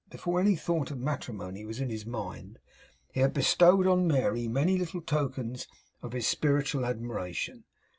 Before any thought of matrimony was in his mind, he had bestowed on Mary many little tokens of his spiritual admiration.